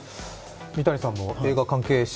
三谷さんも映画関係者